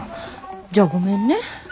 じゃあごめんね。